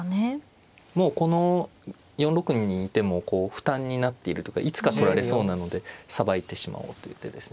もうこの４六にいても負担になっているというかいつか取られそうなのでさばいてしまおうという手ですね。